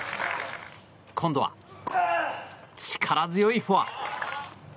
今度は力強いフォア。